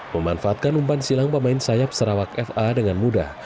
memanfaatkan umpan silang pemain sayap sarawak fa dengan mudah